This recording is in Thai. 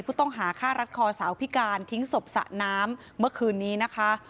ผู้ต้องหาฆ่ารัดคอสาวพิการทิ้งศพสระน้ำเมื่อคืนนี้นะคะ